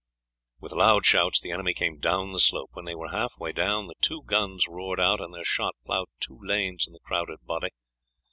With loud shouts the enemy came down the slope. When they were half way down the two guns roared out, and their shot ploughed two lanes in the crowded body.